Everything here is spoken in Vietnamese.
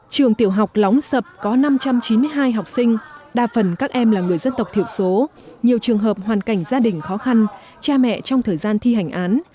trường tiểu học lóng sập có năm trăm chín mươi hai học sinh đa phần các em là người dân tộc thiểu số nhiều trường hợp hoàn cảnh gia đình khó khăn cha mẹ trong thời gian thi hành án